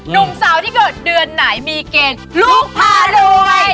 หนุ่มสาวที่เกิดเดือนไหนมีเกณฑ์ลูกพารวย